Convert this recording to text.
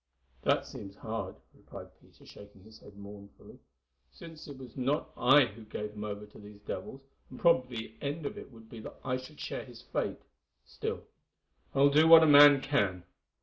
"That seems hard," replied Peter, shaking his head mournfully, "since it was not I who gave him over to these devils, and probably the end of it would be that I should share his fate. Still, I will do what a man can."